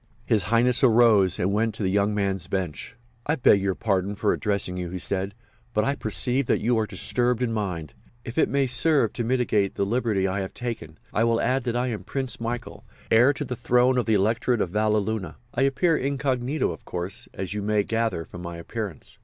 His Highness arose and went to the young man's bench. "I beg your pardon for addressing you," he said, "but I perceive that you are disturbed in mind. If it may serve to mitigate the liberty I have taken I will add that I am Prince Michael, heir to the throne of the Electorate of Valleluna. I appear incognito, of course, as you may gather from my appearance.